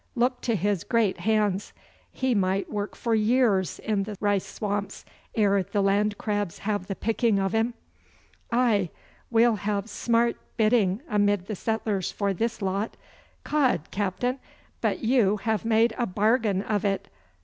Look to his great hands. He might work for years in the rice swamps ere the land crabs have the picking of him.' 'Aye, we'll have smart bidding amid the settlers for this lot. 'Cod, captain, but you have made a bargain of it!